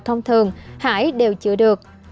thông thường hải đều chữa được